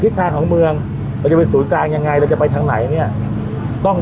ทิศทางของเมืองจะเป็นศูนย์กลางยังไงและจะไปทางไหน